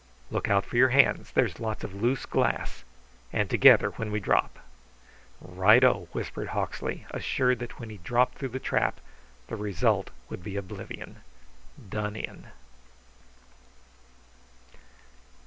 "Look out for your hands; there's lots of loose glass. And together when we drop." "Right o!" whispered Hawksley, assured that when he dropped through the trap the result would be oblivion. Done in.